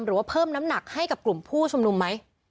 หรือว่าเพิ่มน้ำหนักให้กับกลุ่มผู้ชุมนุมไหม